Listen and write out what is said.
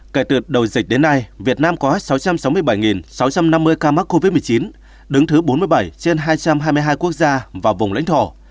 kể từ đầu dịch đến nay việt nam có sáu trăm sáu mươi bảy sáu trăm năm mươi ca mắc covid một mươi chín đứng thứ bốn mươi bảy trên hai trăm hai mươi hai quốc gia và vùng lãnh thổ